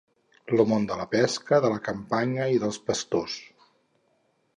lo món de la pesca, de la campanya i dels pastors